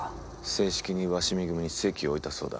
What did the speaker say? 正式に鷲見組に籍を置いたそうだ。